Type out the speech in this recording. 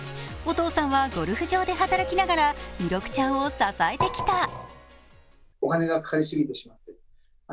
お父さんはゴルフ場で働きながら弥勒ちゃんを支えてきた。